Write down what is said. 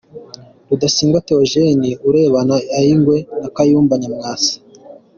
Rudasingwa Theogene urebana ayingwe na Kayumba Nyamwasa